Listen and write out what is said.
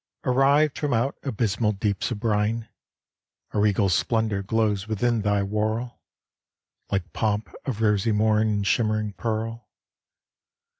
] Arrived from out abysmal deeps of brine, A regal splendor glows within thy whorl, Like pomp of rosy morn in shimmering pearl.